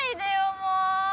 もう！